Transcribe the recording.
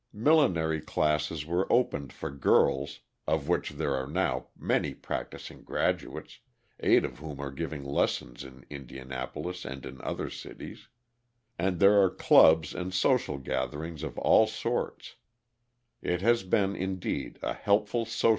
Millinery classes were opened for girls (of which there are now many practising graduates, eight of whom are giving lessons in Indianapolis and in other cities), and there are clubs and social gatherings of all sorts: it has been, indeed, a helpful social centre of influence.